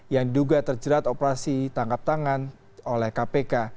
yang diduga terjerat operasi tangkap tangan oleh kpk